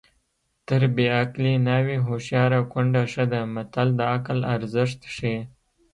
تر بې عقلې ناوې هوښیاره کونډه ښه ده متل د عقل ارزښت ښيي